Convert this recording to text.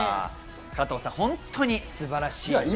加藤さん、本当に素晴らしいですよね。